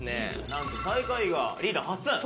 なんと最下位がリーダーはっすん。